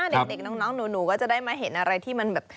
เด็กน้องหนูก็จะได้มาเห็นอะไรที่มันแบบ